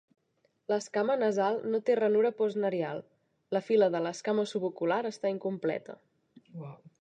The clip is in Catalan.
L'escama nasal no té ranura postnarial; la fila de l'escama subocular està incompleta.